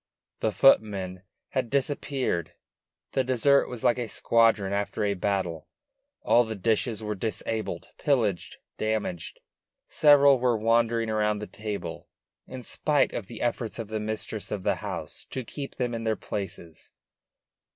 The footmen had disappeared. The dessert was like a squadron after a battle: all the dishes were disabled, pillaged, damaged; several were wandering around the table, in spite of the efforts of the mistress of the house to keep them in their places.